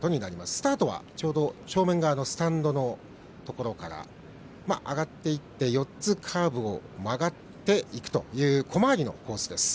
スタートは、ちょうど正面側のスタンドのところから上がっていって４つカーブを曲がっていくという小回りのコースです。